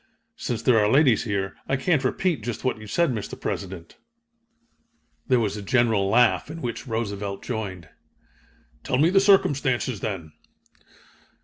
"Since there are ladies here, I can't repeat just what you said, Mr. President." There was a general laugh in which Roosevelt joined. "Tell me the circumstances, then."